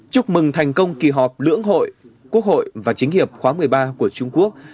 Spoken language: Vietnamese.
chúc mừng thành công kỳ họp lưỡng hội quốc hội và chính hiệp khóa một mươi ba của trung quốc